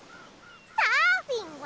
サーフィンは？